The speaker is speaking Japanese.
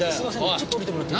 ちょっと降りてもらって。